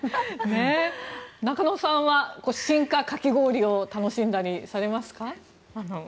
中野さんは進化かき氷を楽しんだりされますか？